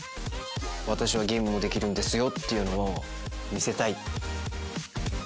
私はゲームもできるんですよっていうのを見せたい。